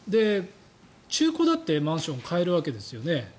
中古だってマンションは買えるわけですよね。